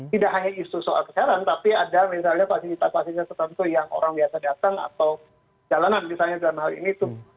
tidak hanya isu soal kesehatan tapi ada misalnya fasilitas fasilitas tertentu yang orang biasa datang atau jalanan misalnya dalam hal ini itu